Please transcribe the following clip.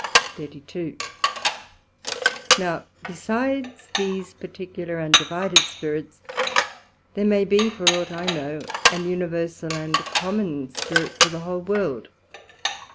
SECT.32 Now, besides these particular and divided Spirits, there may be (for ought I know) an universal and common Spirit to the whole World.